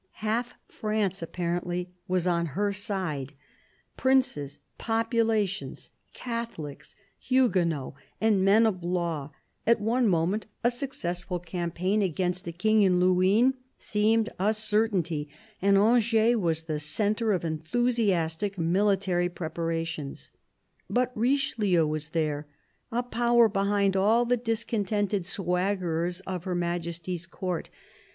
Half France, apparently, was on her side — princes, populations, Catholics, Huguenots, and men of law : at one moment a successful campaign against the THE BISHOP OF LUgON 123 King and Luynes seemed a certainty, and Angers was the centre of enthusiastic military preparations. But Richelieu was there — a power behind all the dis contented swaggerers of Her Majesty's Court.